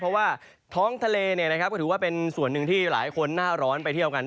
เพราะว่าท้องทะเลก็ถือว่าเป็นส่วนหนึ่งที่หลายคนหน้าร้อนไปเที่ยวกัน